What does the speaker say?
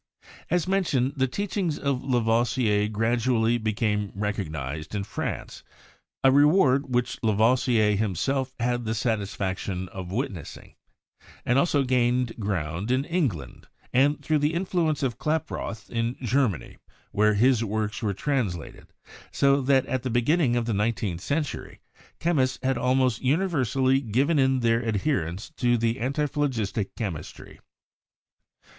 As mentioned, the teachings of Lavoisier gradually be came recognized in France — a reward which Lavoisier himself had the satisfaction of witnessing — and also gained ground in England, and, through the influence of Klaproth, in Germany, where his works were translated, so that at the beginning of the nineteenth century chemists had almost universally given in their adherence to the antiphlogistic chemistry.